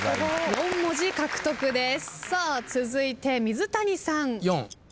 ４文字獲得です。